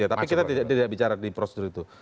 tapi kita tidak bicara di prosedur itu